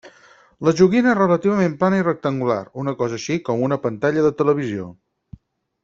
La joguina relativament plana i rectangular, una cosa així com una pantalla de televisió.